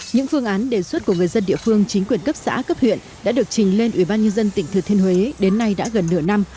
những phương án đề xuất của người dân địa phương chính quyền cấp xã cấp huyện đã được trình lên ủy ban nhân dân tỉnh thừa thiên huế đến nay đã gần nửa năm